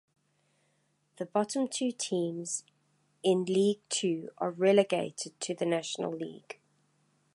The bottom two teams in League Two are relegated to the National League.